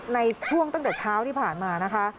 ในช่วงตั้งแต่เช้าที่ผ่านมานะคะ